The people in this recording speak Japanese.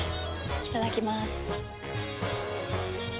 いただきまーす。